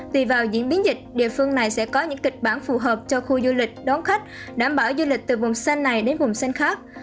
tùy vào diễn biến dịch địa phương này sẽ có những kịch bản phù hợp cho khu du lịch đón khách đảm bảo du lịch từ vùng xanh này đến vùng xanh khác